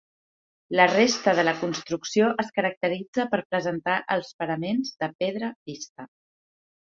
La resta de la construcció es caracteritza per presentar els paraments de pedra vista.